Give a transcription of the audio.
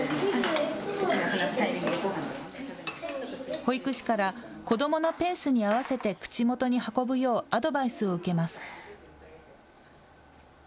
保育士から、子どものペースに合わせて口元に運ぶようアドバイスを受けます。